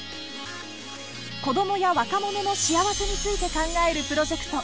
子どもや若者の幸せについて考えるプロジェクト